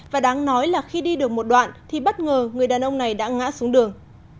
và đáng nói là khi đi được một đoạn thì bất ngờ người đàn ông này đã ngã xuống đường